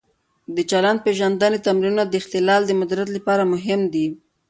د چلند-پېژندنې تمرینونه د اختلال د مدیریت لپاره مهم دي.